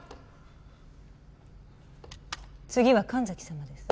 次は神崎さまです。